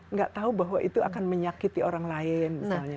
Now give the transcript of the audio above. nggak tahu bahwa itu akan menyakiti orang lain misalnya